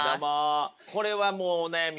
これはもうお悩み